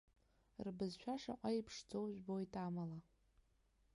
Рбызшәа шаҟа иԥшӡоу жәбоит амала.